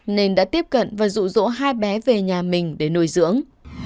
nên đã tiếp cận và rụ rỗ hai bé về nhà mình để nuôi dưỡng